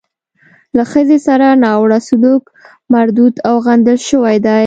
له ښځې سره ناوړه سلوک مردود او غندل شوی دی.